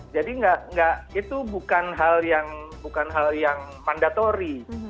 jadi itu bukan hal yang mandatori